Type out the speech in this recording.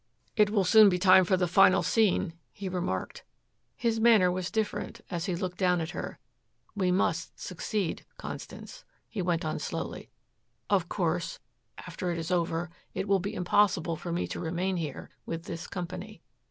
"It will soon be time for the final scene," he remarked. His manner was different as he looked down at her. "We must succeed, Constance," he went on slowly. "Of course, after it is over, it will be impossible for me to remain here with this company.